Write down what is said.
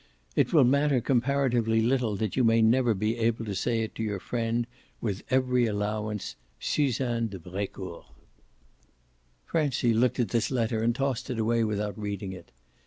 It will matter comparatively little that you may never be able to say it to your friend with every allowance SUZANNE DE BRECOURT. Francie looked at this letter and tossed it away without reading it.